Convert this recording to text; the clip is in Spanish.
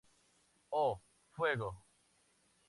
Oh Fuego!